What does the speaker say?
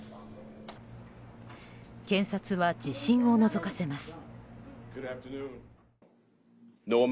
検察は自信をのぞかせます。